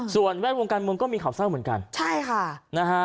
ส่วนแวดวงการบินก็มีข่าวเศร้าเหมือนกัน